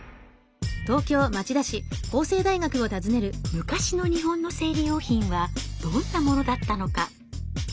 昔の日本の生理用品はどんなものだったのか？